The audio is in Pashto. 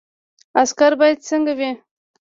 عسکر باید څنګه وي؟